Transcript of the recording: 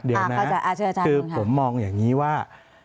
เดี๋ยวนะคือผมมองอย่างนี้ว่า